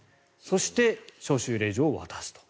そして、招集令状を渡すと。